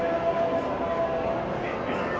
ขอบคุณทุกคนมากครับที่ทุกคนรัก